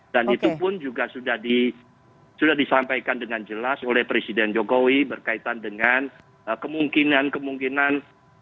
dan itu pun juga sudah disampaikan dengan jelas oleh presiden jokowi berkaitan dengan kemungkinan kemungkinan